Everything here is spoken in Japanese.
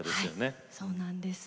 はいそうなんです。